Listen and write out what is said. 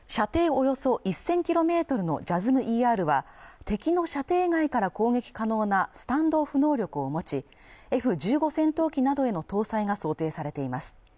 およそ１０００キロメートルのＪＡＳＳＭＭーＥＲは敵の射程外から攻撃可能なスタンドオフ能力を持ちＦ１５戦闘機などへの搭載が想定されています